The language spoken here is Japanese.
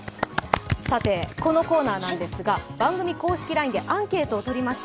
このコーナーなんですが、番組公式ＬＩＮＥでアンケートをとりました。